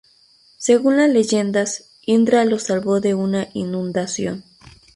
Según las leyendas, Indra lo salvó de una inundación.